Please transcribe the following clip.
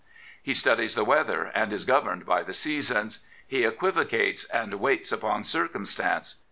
He studies the weather, and is governed by the seasons. He equivocates and waits upon circumstance.